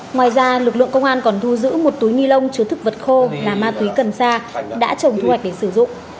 ngoài ra lực lượng công an còn thu giữ một túi ni lông chứa thực vật khô là ma túy cần sa đã trồng thu hoạch để sử dụng